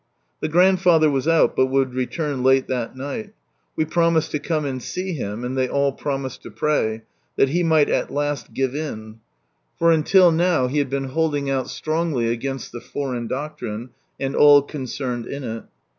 The grandfather was out, but would return late that night. We promised to come and see him, and they all promised to pray, that he might at last give in, for until now he had been holding out strongly against the foreign doctrine and all con cerned in it.